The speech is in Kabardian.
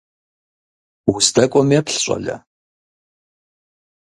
Уздэкӏуэм еплъ, щӏалэ!